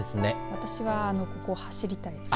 私はここを走りたいですね。